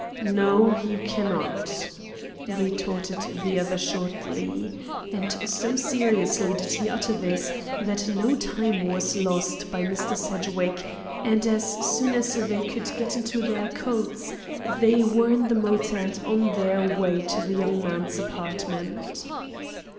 "No, you cannot," retorted the other shortly. And so seriously did he utter this that no time was lost by Mr. Sedgwick, and as soon as they could get into their coats, they were in the motor and on their way to the young man's apartment.